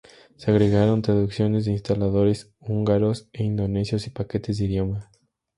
Se agregaron traducciones de instaladores húngaros e indonesios y paquetes de idiomas.